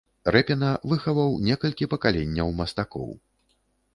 Рэпіна, выхаваў некалькі пакаленняў мастакоў.